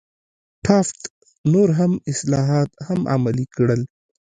ټافت نور مهم اصلاحات هم عملي کړل.